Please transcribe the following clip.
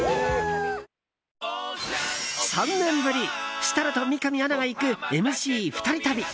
設楽と三上アナが行くＭＣ２人旅。